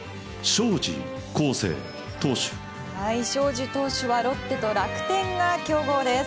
荘司投手はロッテと楽天が競合です。